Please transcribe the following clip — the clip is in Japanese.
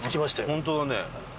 本当だね。